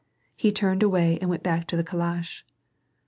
He turned away and went back to the calash.